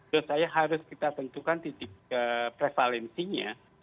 menurut saya harus kita tentukan titik prevalensinya